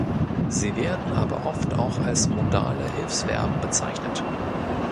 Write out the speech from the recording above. Sie werden aber oft auch als "modale Hilfsverben" bezeichnet.